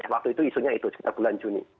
waktu itu isunya itu sekitar bulan juni